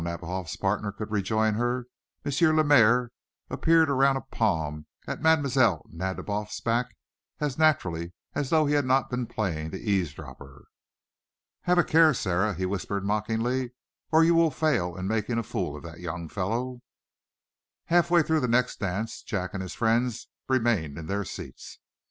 Nadiboff's partner could rejoin her, M. Lemaire appeared around a palm at Mlle. Nadiboff's back as naturally as though he had not been playing the eavesdropper. "Have a care, Sara," he whispered, mockingly, "or you will fail in making a fool of that young fellow!" Half way through the next dance Jack and his friends remained in their seats.